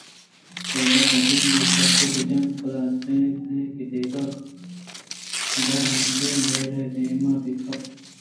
فریڈا بہ گندے چک بہ جنت ءُپدا بئیت اِنت دگہ درآمدے ءِمہر ے دام ءَ بہ کپیت